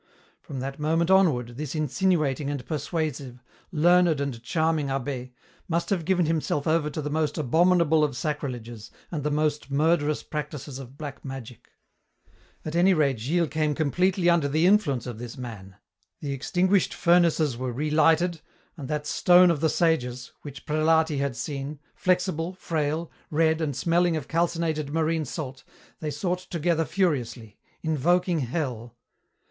From that moment onward, this insinuating and persuasive, learned and charming abbé, must have given himself over to the most abominable of sacrileges and the most murderous practices of black magic. At any rate Gilles came completely under the influence of this man. The extinguished furnaces were relighted, and that Stone of the Sages, which Prelati had seen, flexible, frail, red and smelling of calcinated marine salt, they sought together furiously, invoking Hell.